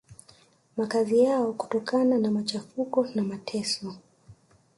makazi yao kutokana na machafuko na mateso